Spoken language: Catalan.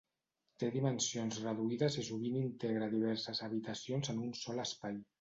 Té dimensions reduïdes i sovint integra diverses habitacions en un sol espai.